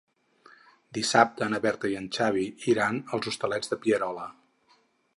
Dissabte na Berta i en Xavi iran als Hostalets de Pierola.